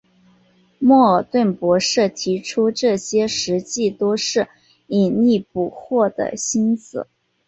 莫尔顿博士提出这些实际都是引力捕获的星子。